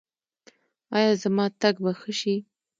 ایا زما تګ به ښه شي؟